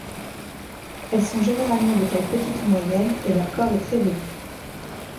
Elles sont généralement de taille petite ou moyenne et leur corps est très velu.